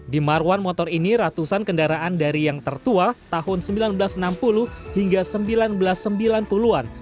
di marwan motor ini ratusan kendaraan dari yang tertua tahun seribu sembilan ratus enam puluh hingga seribu sembilan ratus sembilan puluh an